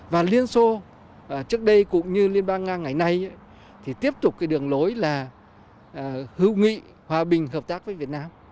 và lenin sô trước đây cũng như liên bang nga ngày nay thì tiếp tục cái đường lối là hưu nghị hòa bình hợp tác với việt nam